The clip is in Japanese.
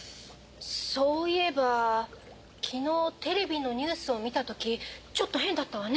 そういえば昨日テレビのニュースを見たときちょっと変だったわね。